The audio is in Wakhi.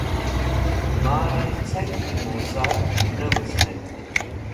mari ceng yi muza ne wuzmetk